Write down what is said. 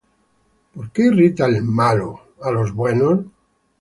¿Por qué irrita el malo á Dios?